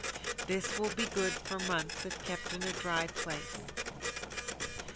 This will be good for months, if kept in a dry place.